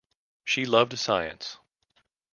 She loved science.